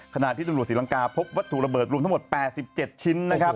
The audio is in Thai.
ขณะที่จังหวัดศรีรังกาพบวัตถุระเบิดรวมทั้งหมด๘๗ชิ้น